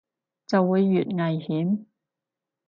就會越危險